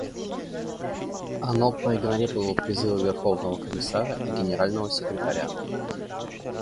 Оно проигнорировало призывы Верховного комиссара и Генерального секретаря.